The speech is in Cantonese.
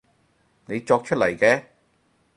你作出嚟嘅